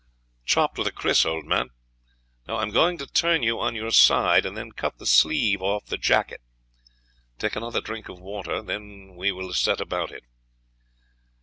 "Chopped with a kris, old man. Now I am going to turn you on your side, and then cut the sleeve off the jacket. Take another drink of water; then we will set about it."